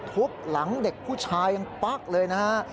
ทุบหลังเด็กผู้ชายยังปั๊กเลยนะฮะ